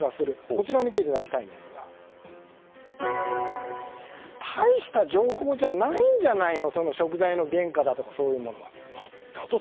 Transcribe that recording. こちらを見ていただきたいんですがたいした情報じゃないんじゃないのその食材の原価だとかというものはと。